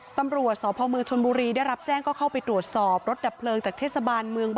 ตำรวจสอบพลเมืองชนบุรีได้รับแจ้ง